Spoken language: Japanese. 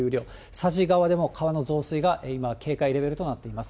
佐治川でも川の増水が今、警戒レベルとなっています。